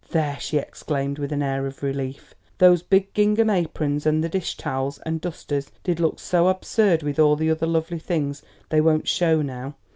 "There!" she exclaimed, with an air of relief, "those big gingham aprons and the dish towels and dusters did look so absurd with all the other lovely things; they won't show now."